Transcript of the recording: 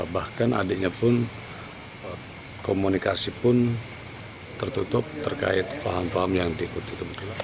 bahkan adiknya pun komunikasi pun tertutup terkait paham paham yang diikuti kebetulan